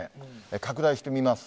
拡大してみます。